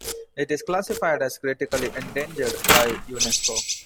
It is classified as critically endangered by Unesco.